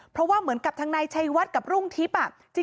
เพราะว่าเหมือนกับทางนายชัยวัดกับรุ่งทิพย์